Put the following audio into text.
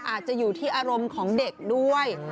อาจจะอยู่ที่อารมณ์ของเด็กด้วย